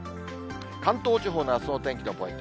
関東地方のあすのお天気のポイント。